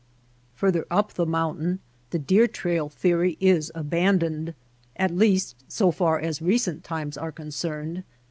Further up the mountain the deer trail theory is abandoned — at least so far as recent times are concerned.